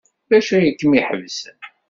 D acu ay kem-iḥebsen?